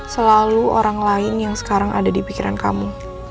selalu orang lain yang sekarang ada di pikiran kamu